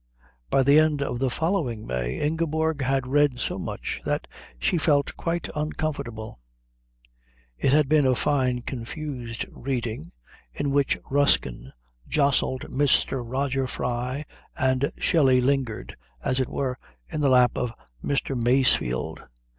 By the end of the following May Ingeborg had read so much that she felt quite uncomfortable. It had been a fine confused reading, in which Ruskin jostled Mr. Roger Fry and Shelley lingered, as it were, in the lap of Mr. Masefield.